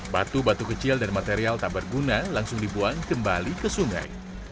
batu batu kecil dan material tak berguna langsung dibuang kembali ke sungai